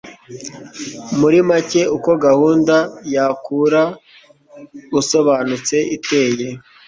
muri make uko gahunda ya kura usobanutse iteye